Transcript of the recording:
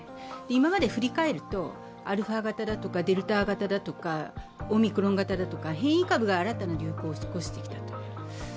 今まで振り返ると、アルファ型だとかデルタ型だとかオミクロン型だとか変異株が新たな流行を起こしてきたと。